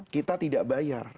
kita tidak bayar